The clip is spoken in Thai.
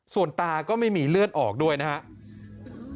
ส่วนตาก็ไม่มีเลือดออกด้วยนะครับ